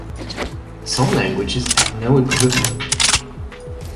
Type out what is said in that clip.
Some languages have no equivalent.